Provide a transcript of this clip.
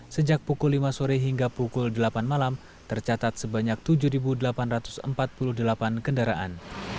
sejak pukul lima sore hingga pukul delapan malam tercatat sebanyak tujuh delapan ratus empat puluh delapan kendaraan